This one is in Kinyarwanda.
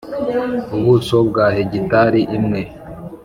Ubuso bwa hegitari imwe